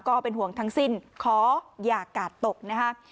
ก็เป็นห่วงทั้งสิ้นขออย่ากาดตกนะครับ